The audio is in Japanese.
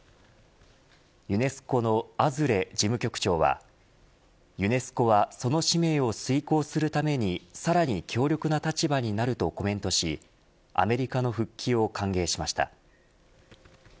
ユネスコのアズレ事務局長はユネスコはその使命を遂行するためにさらに強力な立場になるとコメントしアメリカの復帰を歓迎しました。